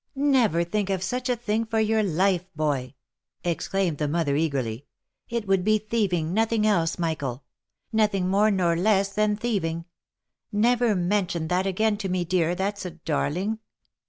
" Never think of such a thing, for your life, boy !" exclaimed the mother eagerly. " It would be thieving, nothing else, Michael — nothing more nor less than thieving—never mention that again to me, dear, that's a darling."